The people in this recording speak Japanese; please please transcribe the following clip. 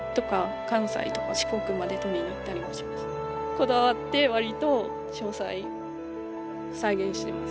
こだわって割と詳細再現しています。